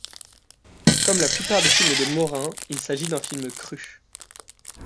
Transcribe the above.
Comme la plupart des films de Morin, il s'agit d'un film cru.